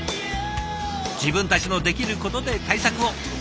自分たちのできることで対策を。